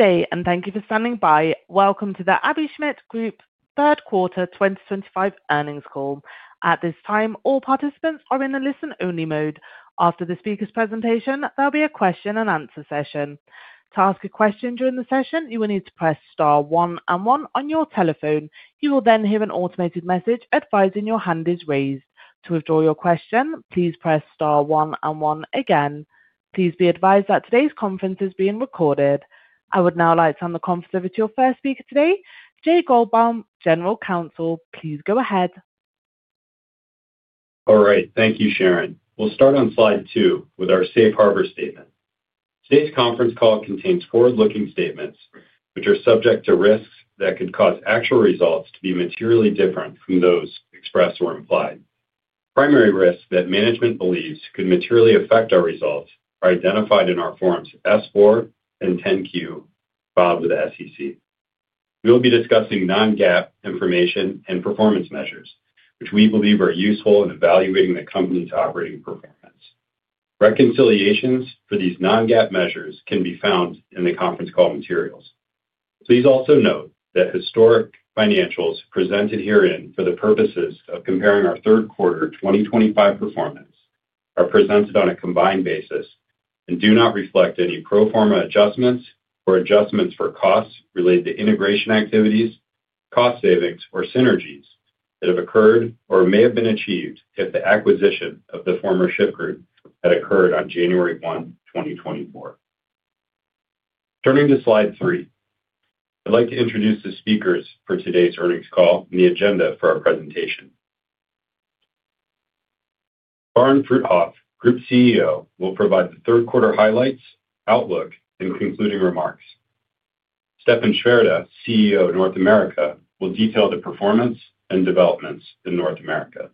Good day, and thank you for standing by. Welcome to the Aebi Schmidt Group third quarter 2025 earnings call. At this time, all participants are in the listen-only mode. After the speaker's presentation, there'll be a question-and-answer session. To ask a question during the session, you will need to press star one and one on your telephone. You will then hear an automated message advising your hand is raised. To withdraw your question, please press star one and one again. Please be advised that today's conference is being recorded. I would now like to turn the conference over to your first speaker today, Jay Goldbaum, General Counsel. Please go ahead. All right. Thank you, Sharon. We'll start on slide two with our Safe Harbor statement. Today's conference call contains forward-looking statements, which are subject to risks that could cause actual results to be materially different from those expressed or implied. Primary risks that management believes could materially affect our results are identified in our forms S-4 and 10-Q filed with the SEC. We will be discussing Non-GAAP information and performance measures, which we believe are useful in evaluating the company's operating performance. Reconciliations for these Non-GAAP measures can be found in the conference call materials. Please also note that historic financials presented herein for the purposes of comparing our third quarter 2025 performance are presented on a combined basis and do not reflect any pro forma adjustments or adjustments for costs related to integration activities, cost savings, or synergies that have occurred or may have been achieved if the acquisition of the former Shyft Group had occurred on January 1, 2024. Turning to slide three, I'd like to introduce the speakers for today's earnings call and the agenda for our presentation. Barend Fruithof, Group CEO, will provide the third quarter highlights, outlook, and concluding remarks. Stefan Schwerter, CEO of North America, will detail the performance and developments in North America.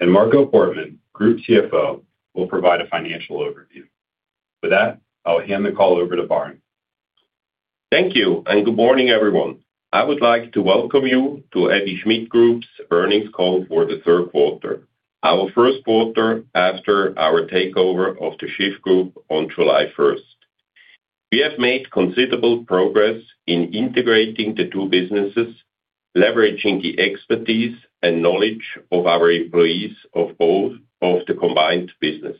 Marco Portmann, Group CFO, will provide a financial overview. With that, I'll hand the call over to Barend. Thank you, and good morning, everyone. I would like to welcome you to Aebi Schmidt Group's earnings call for the third quarter, our first quarter after our takeover of the Shyft Group on July 1. We have made considerable progress in integrating the two businesses, leveraging the expertise and knowledge of our employees of both of the combined business.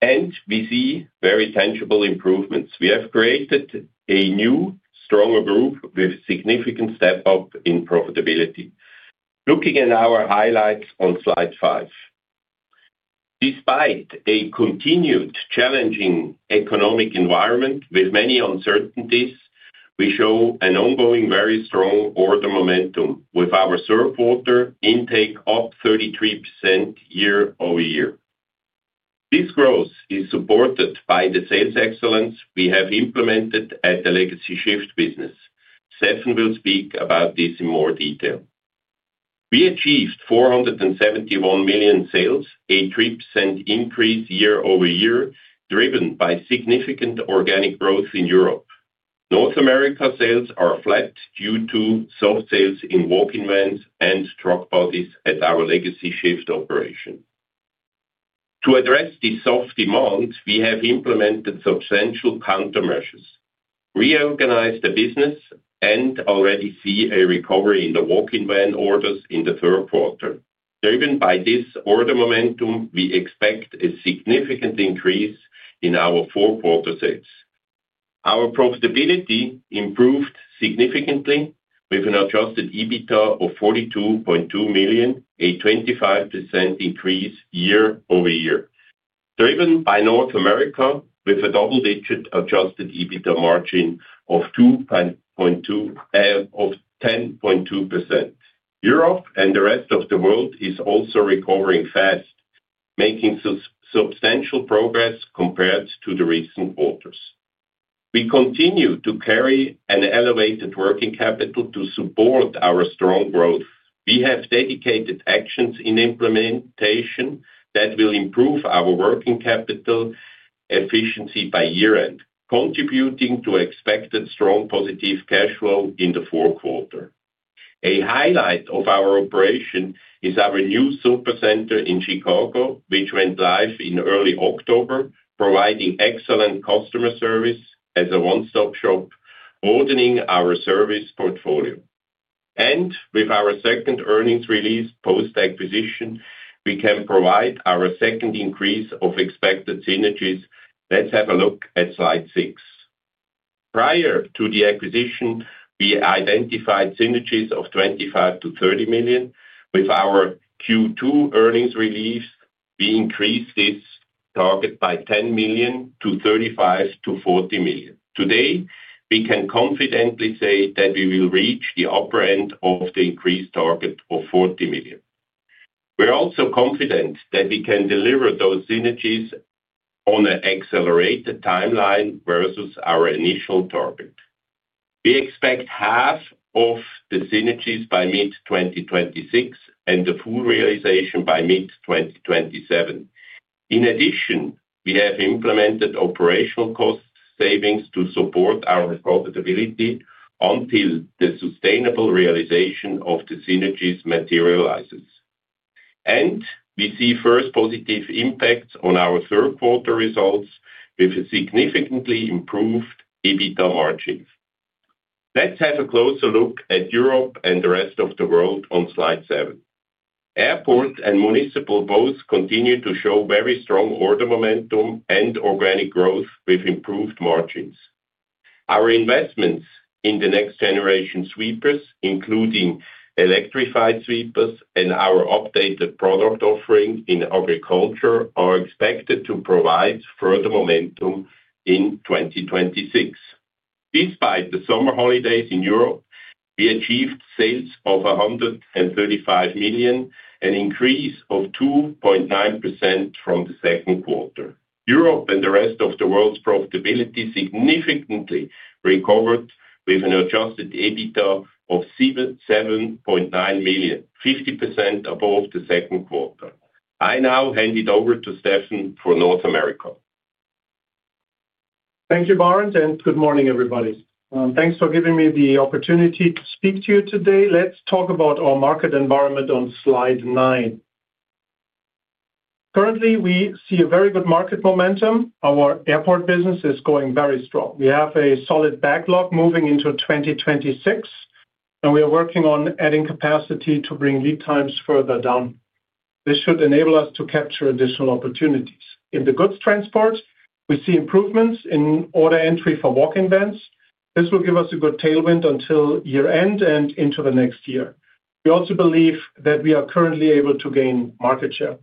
We see very tangible improvements. We have created a new, stronger group with a significant step up in profitability. Looking at our highlights on slide five, despite a continued challenging economic environment with many uncertainties, we show an ongoing very strong order momentum with our third quarter intake of 33% year over year. This growth is supported by the sales excellence we have implemented at the legacy Shyft business. Stefan will speak about this in more detail. We achieved $471 million sales, a 3% increase year over year, driven by significant organic growth in Europe. North America sales are flat due to soft sales in walk-in vans and truck bodies at our legacy Shyft Group operation. To address the soft demand, we have implemented substantial countermeasures, reorganized the business, and already see a recovery in the walk-in van orders in the third quarter. Driven by this order momentum, we expect a significant increase in our fourth-quarter sales. Our profitability improved significantly with an adjusted EBITDA of $42.2 million, a 25% increase year over year, driven by North America with a double-digit adjusted EBITDA margin of 10.2%. Europe and the rest of the world are also recovering fast, making substantial progress compared to the recent quarters. We continue to carry an elevated working capital to support our strong growth. We have dedicated actions in implementation that will improve our working capital efficiency by year-end, contributing to expected strong positive cash flow in the fourth quarter. A highlight of our operation is our new supercenter in Chicago, which went live in early October, providing excellent customer service as a one-stop shop, broadening our service portfolio. With our second earnings release post-acquisition, we can provide our second increase of expected synergies. Let's have a look at slide six. Prior to the acquisition, we identified synergies of $25 million-$30 million. With our Q2 earnings release, we increased this target by $10 million to $35 million-$40 million. Today, we can confidently say that we will reach the upper end of the increased target of $40 million. We're also confident that we can deliver those synergies on an accelerated timeline versus our initial target. We expect half of the synergies by mid-2026 and the full realization by mid-2027. In addition, we have implemented operational cost savings to support our profitability until the sustainable realization of the synergies materializes. We see first positive impacts on our third-quarter results with significantly improved EBITDA margins. Let's have a closer look at Europe and the rest of the world on slide seven. Airport and municipal both continue to show very strong order momentum and organic growth with improved margins. Our investments in the next generation sweepers, including electrified sweepers and our updated product offering in agriculture, are expected to provide further momentum in 2026. Despite the summer holidays in Europe, we achieved sales of $135 million, an increase of 2.9% from the second quarter. Europe and the rest of the world's profitability significantly recovered with an adjusted EBITDA of $7.9 million, 50% above the second quarter. I now hand it over to Stefan for North America. Thank you, Barend, and good morning, everybody. Thanks for giving me the opportunity to speak to you today. Let's talk about our market environment on slide nine. Currently, we see a very good market momentum. Our airport business is going very strong. We have a solid backlog moving into 2026, and we are working on adding capacity to bring lead times further down. This should enable us to capture additional opportunities. In the goods transport, we see improvements in order entry for walk-in vans. This will give us a good tailwind until year-end and into the next year. We also believe that we are currently able to gain market share.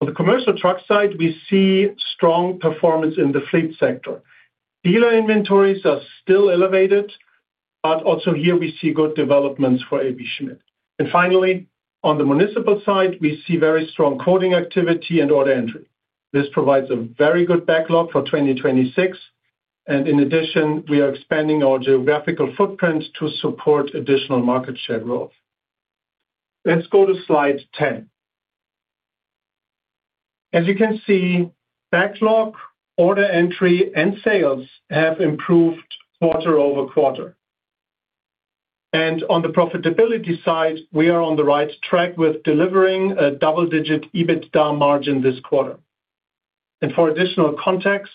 On the commercial truck side, we see strong performance in the fleet sector. Dealer inventories are still elevated, but also here we see good developments for Aebi Schmidt. Finally, on the municipal side, we see very strong quoting activity and order entry. This provides a very good backlog for 2026. In addition, we are expanding our geographical footprint to support additional market share growth. Let's go to slide 10. As you can see, backlog, order entry, and sales have improved quarter over quarter. On the profitability side, we are on the right track with delivering a double-digit EBITDA margin this quarter. For additional context,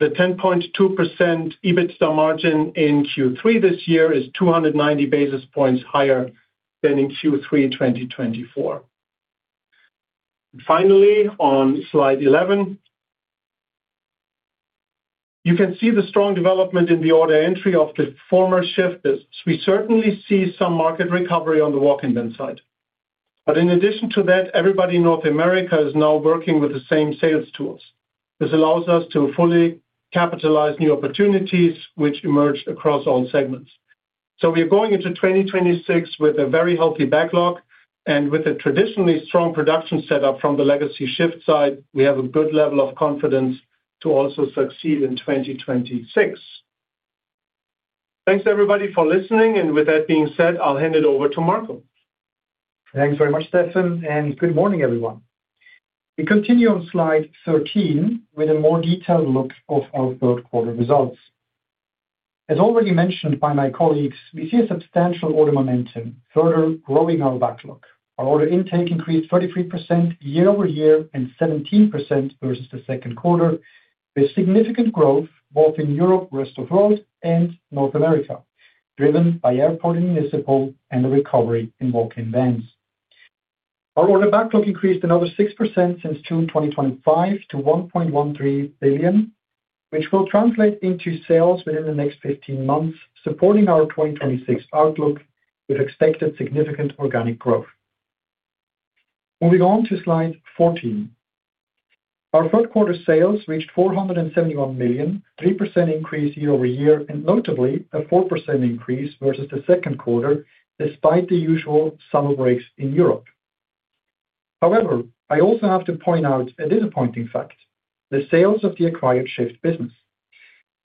the 10.2% EBITDA margin in Q3 this year is 290 basis points higher than in Q3 2024. Finally, on slide 11, you can see the strong development in the order entry of the former Shyft Group business. We certainly see some market recovery on the walk-in van side. In addition to that, everybody in North America is now working with the same sales tools. This allows us to fully capitalize new opportunities which emerge across all segments. We are going into 2026 with a very healthy backlog, and with a traditionally strong production setup from the legacy Shyft side, we have a good level of confidence to also succeed in 2026. Thanks, everybody, for listening. With that being said, I'll hand it over to Marco. Thanks very much, Stefan, and good morning, everyone. We continue on slide 13 with a more detailed look of our third-quarter results. As already mentioned by my colleagues, we see a substantial order momentum further growing our backlog. Our order intake increased 33% year over year and 17% versus the second quarter, with significant growth both in Europe, rest of the world, and North America, driven by airport and municipal and the recovery in walk-in vans. Our order backlog increased another 6% since June 2023 to $1.13 billion, which will translate into sales within the next 15 months, supporting our 2026 outlook with expected significant organic growth. Moving on to slide 14, our third-quarter sales reached $471 million, a 3% increase year over year, and notably a 4% increase versus the second quarter, despite the usual summer breaks in Europe. However, I also have to point out a disappointing fact: the sales of the acquired Shyft Group business.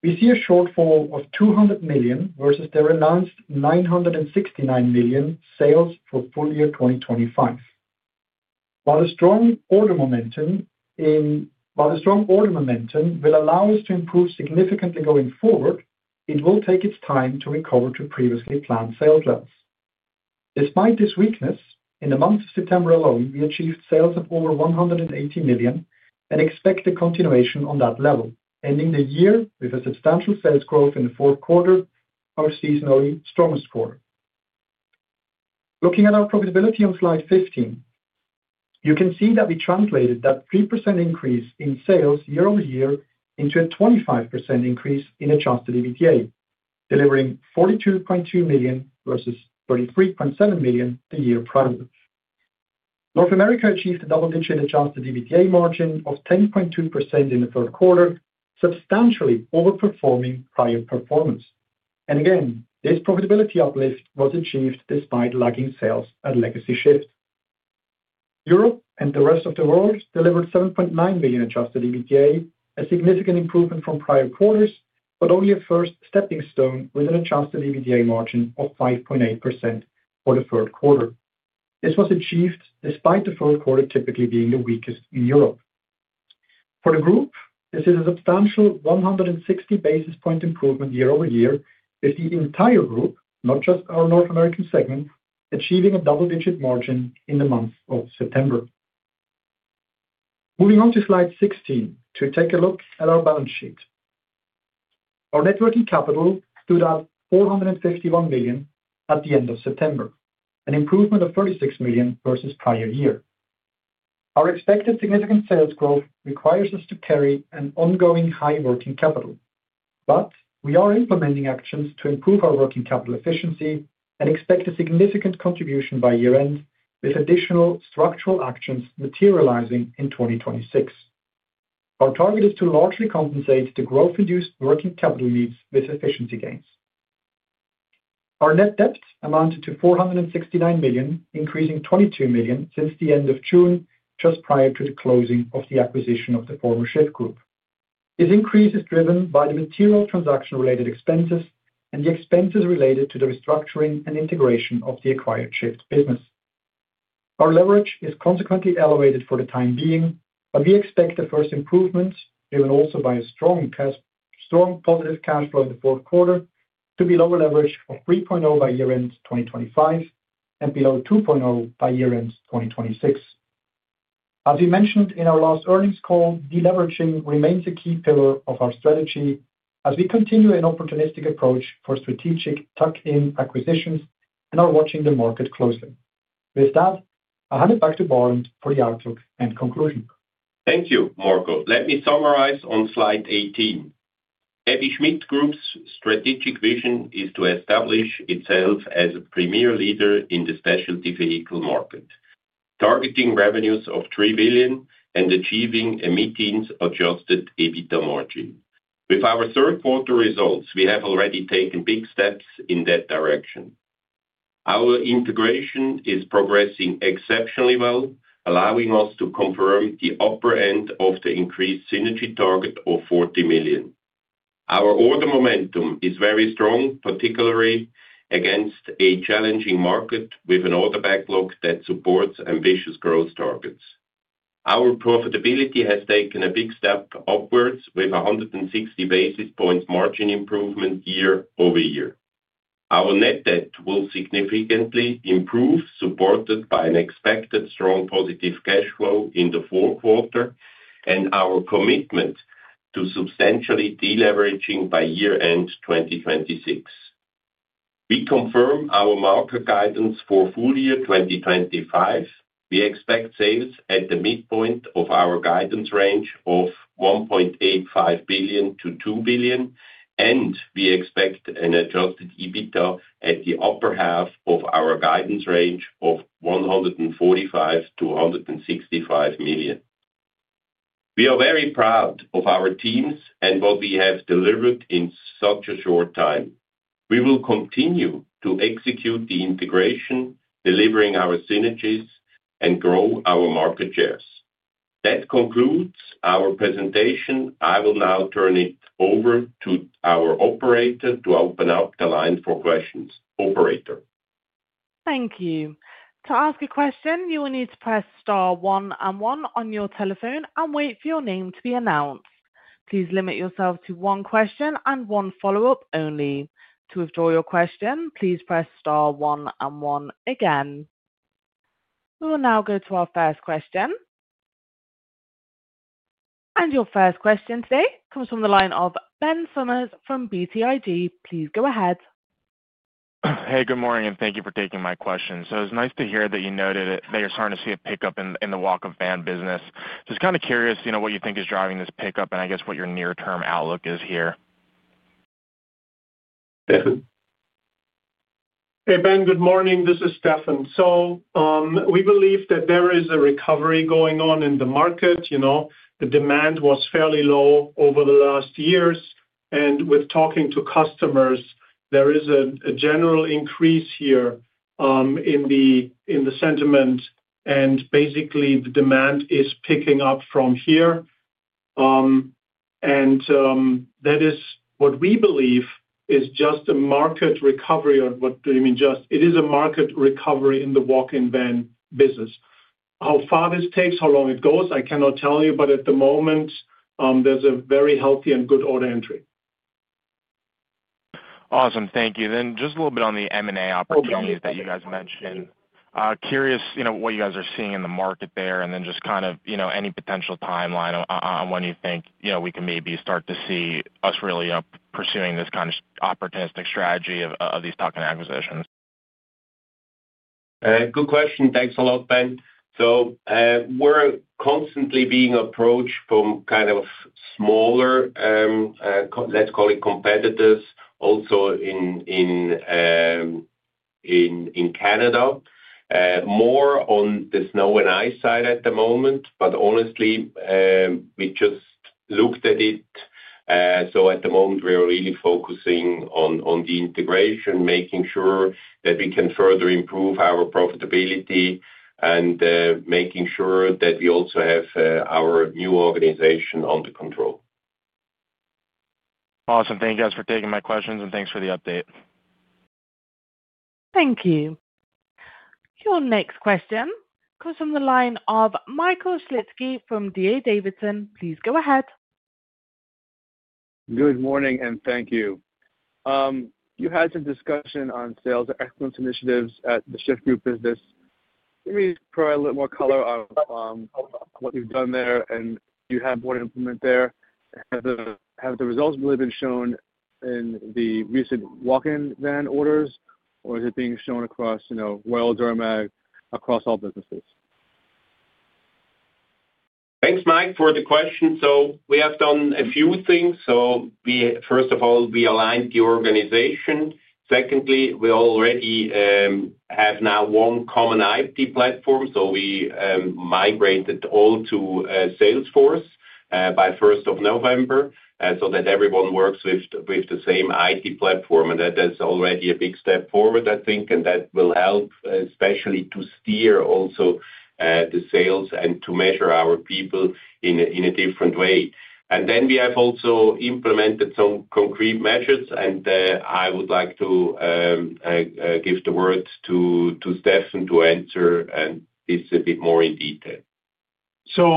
We see a shortfall of $200 million versus the announced $969 million sales for full year 2025. While the strong order momentum will allow us to improve significantly going forward, it will take its time to recover to previously planned sales levels. Despite this weakness, in the month of September alone, we achieved sales of over $180 million and expect a continuation on that level, ending the year with a substantial sales growth in the fourth quarter, our seasonally strongest quarter. Looking at our profitability on slide 15, you can see that we translated that 3% increase in sales year over year into a 25% increase in adjusted EBITDA, delivering $42.2 million versus $33.7 million the year prior. North America achieved a double-digit adjusted EBITDA margin of 10.2% in the third quarter, substantially overperforming prior performance. This profitability uplift was achieved despite lagging sales at legacy Shyft. Europe and the rest of the world delivered $7.9 million adjusted EBITDA, a significant improvement from prior quarters, but only a first stepping stone with an adjusted EBITDA margin of 5.8% for the third quarter. This was achieved despite the third quarter typically being the weakest in Europe. For the group, this is a substantial 160 basis point improvement year over year with the entire group, not just our North American segment, achieving a double-digit margin in the month of September. Moving on to slide 16 to take a look at our balance sheet. Our net working capital stood at $451 million at the end of September, an improvement of $36 million versus prior year. Our expected significant sales growth requires us to carry an ongoing high working capital, but we are implementing actions to improve our working capital efficiency and expect a significant contribution by year-end with additional structural actions materializing in 2026. Our target is to largely compensate the growth-induced working capital needs with efficiency gains. Our net debt amounted to $469 million, increasing $22 million since the end of June, just prior to the closing of the acquisition of the former Shyft Group. This increase is driven by the material transaction-related expenses and the expenses related to the restructuring and integration of the acquired Shyft business. Our leverage is consequently elevated for the time being, but we expect the first improvements, driven also by a strong positive cash flow in the fourth quarter, to be lower leverage of 3.0 by year-end 2025 and below 2.0 by year-end 2026. As we mentioned in our last earnings call, deleveraging remains a key pillar of our strategy as we continue an opportunistic approach for strategic tuck-in acquisitions and are watching the market closely. With that, I hand it back to Barend Fruithof for the outlook and conclusion. Thank you, Marco. Let me summarize on slide 18. Aebi Schmidt Group's strategic vision is to establish itself as a premier leader in the specialty vehicle market, targeting revenues of $3 billion and achieving a mid-teens adjusted EBITDA margin. With our third-quarter results, we have already taken big steps in that direction. Our integration is progressing exceptionally well, allowing us to confirm the upper end of the increased synergy target of $40 million. Our order momentum is very strong, particularly against a challenging market with an order backlog that supports ambitious growth targets. Our profitability has taken a big step upwards with 160 basis points margin improvement year over year. Our net debt will significantly improve, supported by an expected strong positive cash flow in the fourth quarter and our commitment to substantially deleveraging by year-end 2026. We confirm our market guidance for full year 2025. We expect sales at the midpoint of our guidance range of $1.85 billion-$2 billion, and we expect an adjusted EBITDA at the upper half of our guidance range of $145-$165 million. We are very proud of our teams and what we have delivered in such a short time. We will continue to execute the integration, delivering our synergies, and grow our market shares. That concludes our presentation. I will now turn it over to our operator to open up the line for questions. Operator. Thank you. To ask a question, you will need to press star one and one on your telephone and wait for your name to be announced. Please limit yourself to one question and one follow-up only. To withdraw your question, please press star one and one again. We will now go to our first question. Your first question today comes from the line of Ben Summers from BTIG. Please go ahead. Hey, good morning, and thank you for taking my question. It's nice to hear that you noted that you're starting to see a pickup in the walk-in van business. Just kind of curious what you think is driving this pickup and I guess what your near-term outlook is here. Hey, Ben, good morning. This is Stefan. We believe that there is a recovery going on in the market. The demand was fairly low over the last years. With talking to customers, there is a general increase here in the sentiment, and basically, the demand is picking up from here. That is what we believe is just a market recovery, or what do you mean just? It is a market recovery in the walk-in van business. How far this takes, how long it goes, I cannot tell you, but at the moment, there's a very healthy and good order entry. Awesome. Thank you. Just a little bit on the M&A opportunities that you guys mentioned. Curious what you guys are seeing in the market there and just kind of any potential timeline on when you think we can maybe start to see us really pursuing this kind of opportunistic strategy of these tuck-in acquisitions. Good question. Thanks a lot, Ben. We're constantly being approached from kind of smaller, let's call it competitors, also in Canada, more on the snow and ice side at the moment. Honestly, we just looked at it. At the moment, we are really focusing on the integration, making sure that we can further improve our profitability and making sure that we also have our new organization under control. Awesome. Thank you guys for taking my questions, and thanks for the update. Thank you. Your next question comes from the line of Michael Shlisky from DA Davidson. Please go ahead. Good morning, and thank you. You had some discussion on sales excellence initiatives at the Shyft Group business. Can you provide a little more color on what you've done there and do you have more to implement there? Have the results really been shown in the recent walk-in van orders, or is it being shown across Wells or AMAG, across all businesses? Thanks, Mike, for the question. We have done a few things. First of all, we aligned the organization. Secondly, we already have now one common IT platform. We migrated all to Salesforce by 1st of November so that everyone works with the same IT platform. That is already a big step forward, I think, and that will help especially to steer also the sales and to measure our people in a different way. We have also implemented some concrete measures, and I would like to give the word to Stefan to answer this a bit more in detail.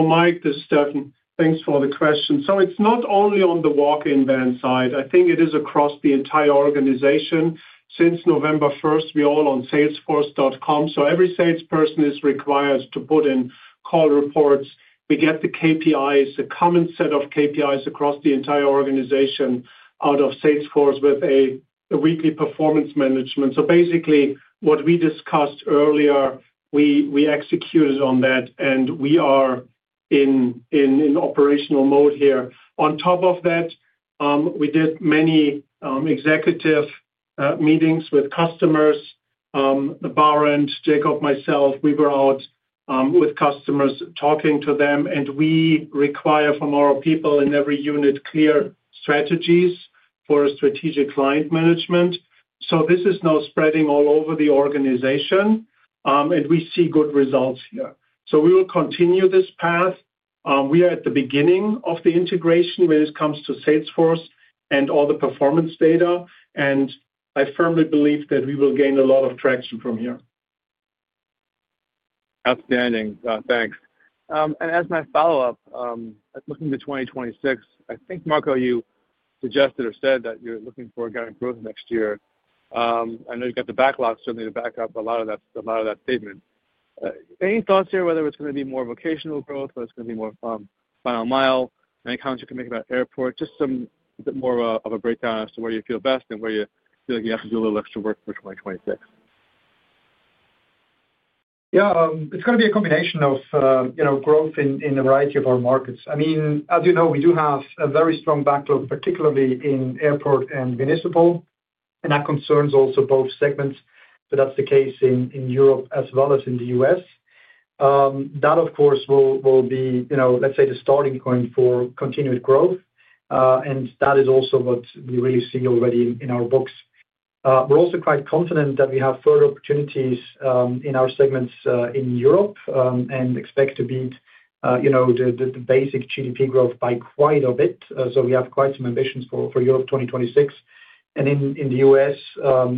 Mike, this is Stefan. Thanks for the question. It is not only on the walk-in van side. I think it is across the entire organization. Since November 1, we are all on Salesforce.com. Every salesperson is required to put in call reports. We get the KPIs, a common set of KPIs across the entire organization out of Salesforce with a weekly performance management. Basically, what we discussed earlier, we executed on that, and we are in operational mode here. On top of that, we did many executive meetings with customers, Barend and Jacob, myself. We were out with customers talking to them, and we require from our people in every unit clear strategies for strategic client management. This is now spreading all over the organization, and we see good results here. We will continue this path. We are at the beginning of the integration when it comes to Salesforce and all the performance data. I firmly believe that we will gain a lot of traction from here. Outstanding. Thanks. As my follow-up, looking to 2026, I think, Marco, you suggested or said that you're looking for growth next year. I know you've got the backlog, certainly, to back up a lot of that statement. Any thoughts here whether it's going to be more vocational growth or it's going to be more final mile? Any comments you can make about airport? Just a bit more of a breakdown as to where you feel best and where you feel like you have to do a little extra work for 2026? Yeah. It's going to be a combination of growth in a variety of our markets. I mean, as you know, we do have a very strong backlog, particularly in airport and municipal, and that concerns also both segments. That is the case in Europe as well as in the U.S. That, of course, will be, let's say, the starting point for continued growth. That is also what we really see already in our books. We're also quite confident that we have further opportunities in our segments in Europe and expect to beat the basic GDP growth by quite a bit. We have quite some ambitions for Europe 2026. In the U.S.,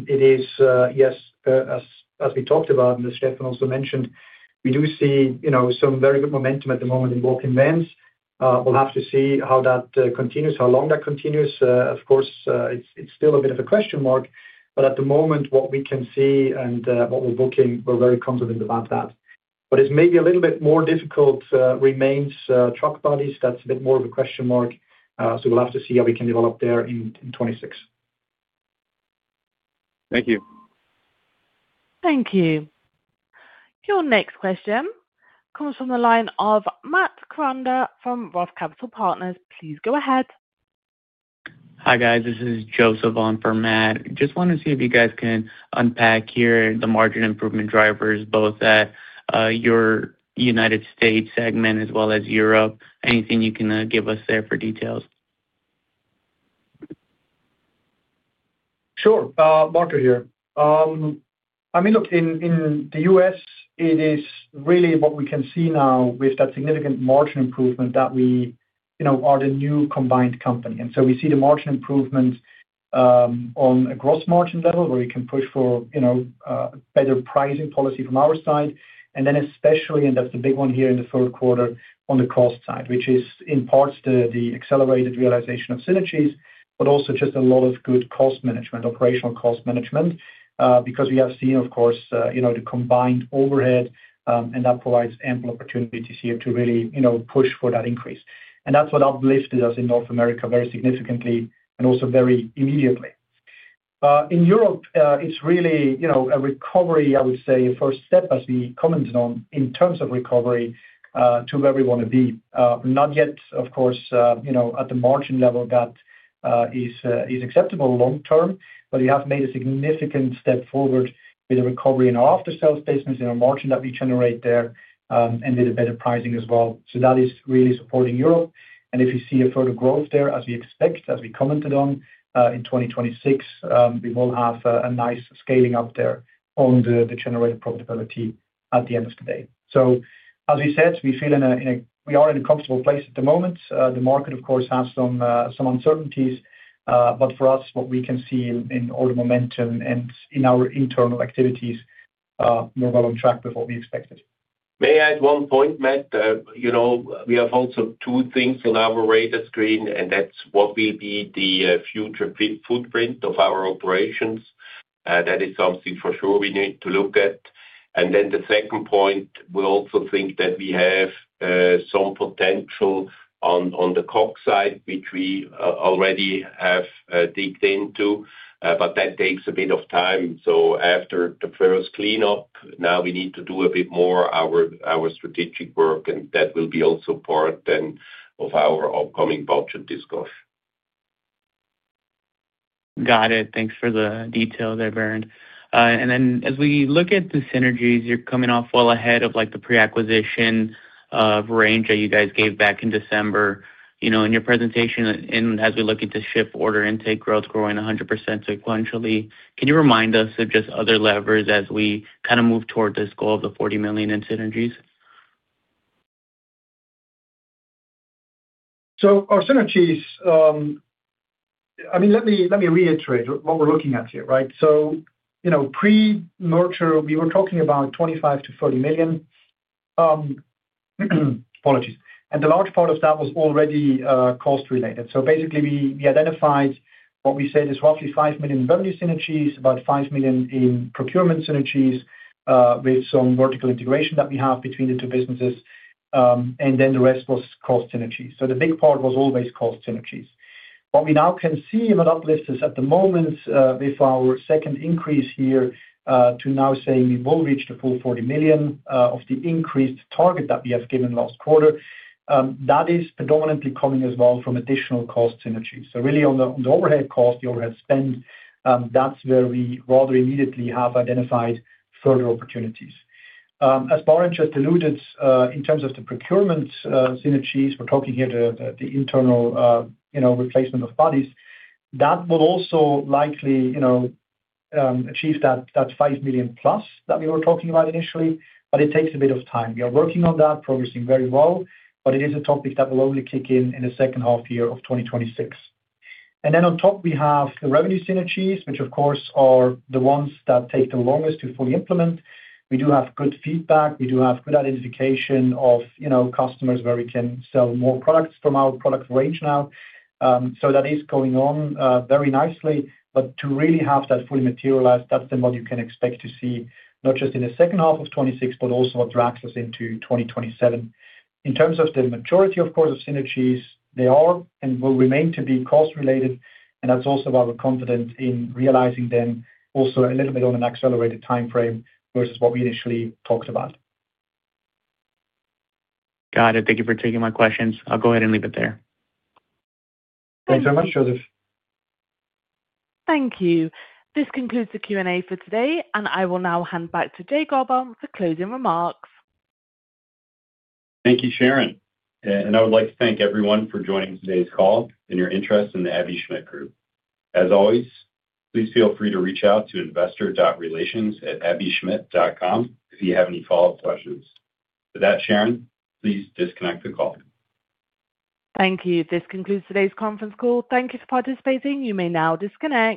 it is, yes, as we talked about, and as Stefan also mentioned, we do see some very good momentum at the moment in walk-in vans. We'll have to see how that continues, how long that continues. Of course, it's still a bit of a question mark. At the moment, what we can see and what we're booking, we're very confident about that. It's maybe a little bit more difficult remains truck bodies. That's a bit more of a question mark. We'll have to see how we can develop there in 2026. Thank you. Thank you. Your next question comes from the line of Matt Kuranda from Roth Capital Partners. Please go ahead. Hi, guys. This is Joseph on for Matt. Just want to see if you guys can unpack here the margin improvement drivers, both at your United States segment as well as Europe. Anything you can give us there for details? Sure. Marco here. I mean, look, in the U.S., it is really what we can see now with that significant margin improvement that we are the new combined company. We see the margin improvements on a gross margin level where we can push for better pricing policy from our side. Then especially, and that's the big one here in the third quarter on the cost side, which is in parts the accelerated realization of synergies, but also just a lot of good cost management, operational cost management, because we have seen, of course, the combined overhead, and that provides ample opportunities here to really push for that increase. That's what uplifted us in North America very significantly and also very immediately. In Europe, it's really a recovery, I would say, a first step, as we commented on, in terms of recovery to where we want to be. Not yet, of course, at the margin level that is acceptable long term, but we have made a significant step forward with the recovery in our after-sales business, in our margin that we generate there, and with a better pricing as well. That is really supporting Europe. If you see a further growth there, as we expect, as we commented on, in 2026, we will have a nice scaling up there on the generated profitability at the end of the day. As we said, we feel we are in a comfortable place at the moment. The market, of course, has some uncertainties, but for us, what we can see in all the momentum and in our internal activities, we're well on track with what we expected. May I add one point, Matt? We have also two things on our radar screen, and that is what will be the future footprint of our operations. That is something for sure we need to look at. The second point, we also think that we have some potential on the COC side, which we already have digged into, but that takes a bit of time. After the first cleanup, now we need to do a bit more of our strategic work, and that will be also part then of our upcoming budget discussion. Got it. Thanks for the detail there, Barend. As we look at the synergies, you're coming off well ahead of the pre-acquisition range that you guys gave back in December in your presentation. As we look at the Shyft order intake growth growing 100% sequentially, can you remind us of just other levers as we kind of move toward this goal of the $40 million in synergies? Our synergies, I mean, let me reiterate what we're looking at here, right? Pre-merger, we were talking about $25 million-$30 million. Apologies. The large part of that was already cost-related. Basically, we identified what we said is roughly $5 million revenue synergies, about $5 million in procurement synergies with some vertical integration that we have between the two businesses, and then the rest was cost synergies. The big part was always cost synergies. What we now can see and what uplifts us at the moment with our second increase here to now saying we will reach the full $40 million of the increased target that we have given last quarter, that is predominantly coming as well from additional cost synergies. Really, on the overhead cost, the overhead spend, that's where we rather immediately have identified further opportunities. As Barend just alluded, in terms of the procurement synergies, we're talking here the internal replacement of bodies. That will also likely achieve that $5 million plus that we were talking about initially, but it takes a bit of time. We are working on that, progressing very well, but it is a topic that will only kick in in the second half year of 2026. On top, we have the revenue synergies, which, of course, are the ones that take the longest to fully implement. We do have good feedback. We do have good identification of customers where we can sell more products from our product range now. That is going on very nicely. To really have that fully materialized, that is then what you can expect to see, not just in the second half of 2026, but also what drags us into 2027. In terms of the maturity, of course, of synergies, they are and will remain to be cost-related, and that's also why we're confident in realizing them also a little bit on an accelerated timeframe versus what we initially talked about. Got it. Thank you for taking my questions. I'll go ahead and leave it there. Thanks very much, Joseph. Thank you. This concludes the Q&A for today, and I will now hand back to Jay Goldbaum for closing remarks. Thank you, Sharon. I would like to thank everyone for joining today's call and your interest in the Aebi Schmidt Group. As always, please feel free to reach out to investor.relations@aebischmidt.com if you have any follow-up questions. With that, Sharon, please disconnect the call. Thank you. This concludes today's conference call. Thank you for participating. You may now disconnect.